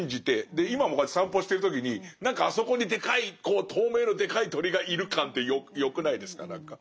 で今もこうやって散歩してる時に何かあそこにでかいこう透明のでかい鳥がいる感ってよくないですか何か。